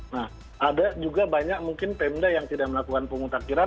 nah ada juga banyak mungkin pemda yang tidak melakukan pemutakhiran